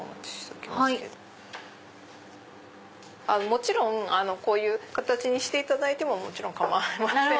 もちろんこういう形にしていただいても構いません。